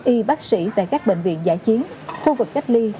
y bác sĩ tại các bệnh viện giải chiến khu vực cách ly